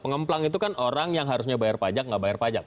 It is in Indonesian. pengemplang itu kan orang yang harusnya bayar pajak nggak bayar pajak